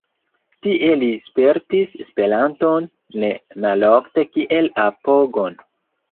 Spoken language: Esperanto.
Tie li spertis Esperanton ne malofte kiel apogon.